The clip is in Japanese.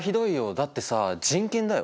だってさ人権だよ。